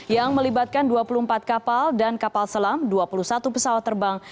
yang melibatkan dua puluh empat kapal dan kapal selam dua puluh satu pesawat terbang